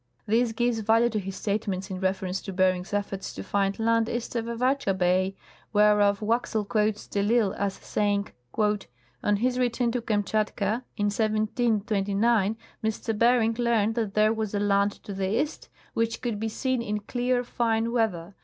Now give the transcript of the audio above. This gives value to his statements in reference to Bering's efforts to find land east of Avatscha bay, whereof Waxel quotes cle I'Isle as saying :" On his return to Kamtschatka (in 1729) M. Bering learned that there was a land to the east, which could be seen in clear, fine weather.